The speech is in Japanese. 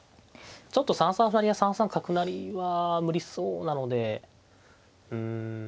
ちょっと３三歩成や３三角成は無理そうなのでうん